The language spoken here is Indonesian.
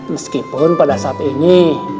meskipun pada saat ini